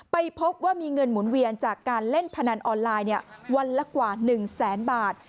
พบว่ามีเงินหมุนเวียนจากการเล่นพนันออนไลน์วันละกว่า๑แสนบาท